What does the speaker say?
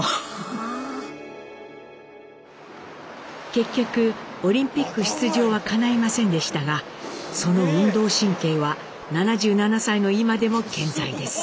結局オリンピック出場はかないませんでしたがその運動神経は７７歳の今でも健在です。